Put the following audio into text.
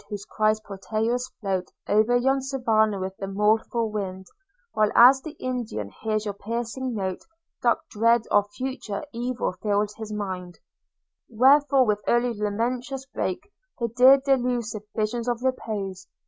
whose cries portentous float O'er yon savannah with the mournful wind, While as the Indian hears your piercing note Dark dread of future evil fills his mind – Wherefore with early lamentations break The dear delusive visions of repose?